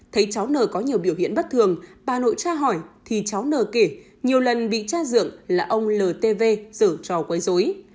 thấy cháu n có nhiều biểu hiện bất thường bà nội tra hỏi thì cháu n kể nhiều lần bị tra dưỡng là ông ltv giở trò quấy dối